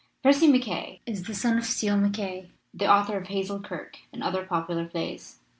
Percy MacKaye is the son of Steele MacKaye, the author of Hazel Kirke and other popular plays.